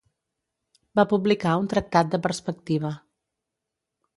Va publicar un tractat de perspectiva.